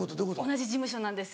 同じ事務所なんです。